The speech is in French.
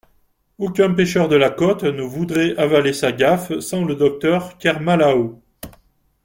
Aucun pêcheur de la côte ne voudrait avaler sa gaffe sans le docteur Kermalahault.